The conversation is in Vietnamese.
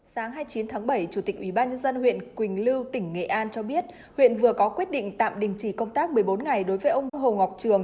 sáng hai mươi chín tháng bảy chủ tịch ubnd huyện quỳnh lưu tỉnh nghệ an cho biết huyện vừa có quyết định tạm đình chỉ công tác một mươi bốn ngày đối với ông hồ ngọc trường